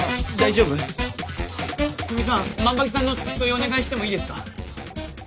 万場木さんの付き添いをお願いしてもいいですか？